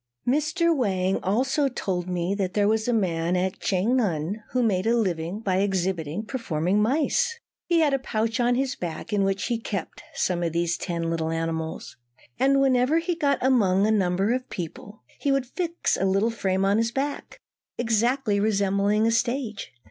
Mr. Wang also told me that there was a man at Ch'ang an who made his living by exhibiting performing mice. He had a pouch on his back in which he kept some ten of these little animals; and whenever he got among a number of people he would fix a little frame on his back, exactly resembling a stage.